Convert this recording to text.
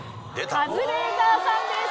カズレーザーさんです。